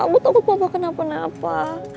gue takut papa kenapa kenapa